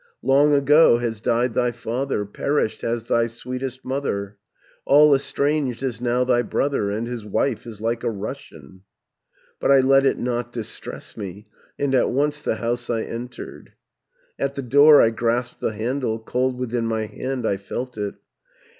Long ago has died thy father, Perished has thy sweetest mother, All estranged is now thy brother, And his wife is like a Russian.' 770 "But I let it not distress me, And at once the house I entered, At the door I grasped the handle, Cold within my hand I felt it.